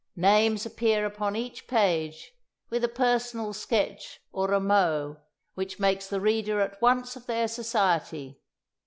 Names appear upon each page, with a personal sketch or a mot, which makes the reader at once of their society.